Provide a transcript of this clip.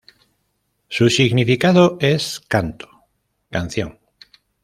Su significado es "canto, canción".